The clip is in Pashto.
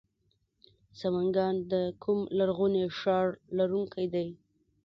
سمنګان د کوم لرغوني ښار لرونکی دی؟